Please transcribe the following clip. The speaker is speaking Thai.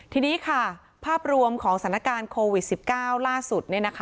ทีนี้ค่ะภาพรวมของสถานการณ์โควิด๑๙ล่าสุด